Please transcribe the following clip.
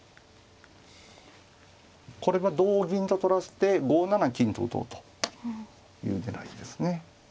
これは同銀と取らせて５七金と打とうという狙いですね。